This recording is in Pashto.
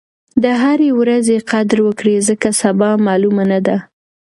د هرې ورځې قدر وکړئ ځکه سبا معلومه نه ده.